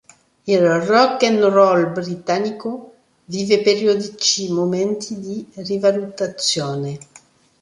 Il rock and roll britannico vive periodici momenti di rivalutazione.